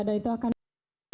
dan itu akan membuat efeknya